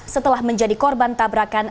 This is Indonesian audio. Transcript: setelah menjadi korban tabrakan